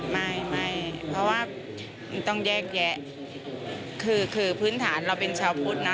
ไม่ไม่เพราะว่ามันต้องแยกแยะคือคือพื้นฐานเราเป็นชาวพุทธนะ